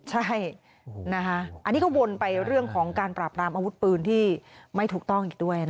ใช่อันนี้ก็วนไปเรื่องของการปราบรามอาวุธปืนที่ไม่ถูกต้องอีกด้วยนะคะ